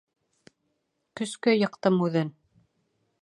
Көскә йыҡтым үҙен...